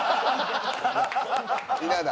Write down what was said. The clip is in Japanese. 稲田。